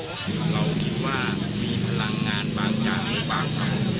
เราคิดว่ามันมีพลังงานบางอย่างหรือบางครั้ง